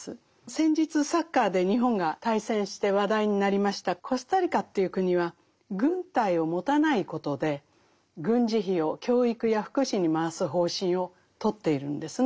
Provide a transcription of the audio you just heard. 先日サッカーで日本が対戦して話題になりましたコスタリカという国は軍隊を持たないことで軍事費を教育や福祉に回す方針をとっているんですね。